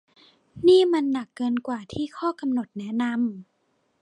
นี่มันหนักเกินกว่าที่ข้อกำหนดแนะนำ